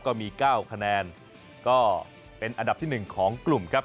ก็มี๙คะแนนก็เป็นอันดับที่๑ของกลุ่มครับ